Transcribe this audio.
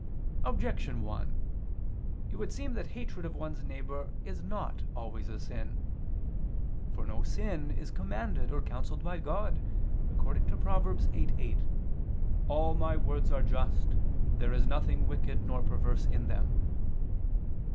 Objection 1: It would seem that hatred of one's neighbor is not always a sin. For no sin is commanded or counselled by God, according to Prov. 8:8: "All My words are just, there is nothing wicked nor perverse in them."